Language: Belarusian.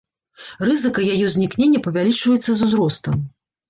Рызыка яе ўзнікнення павялічваецца з узростам.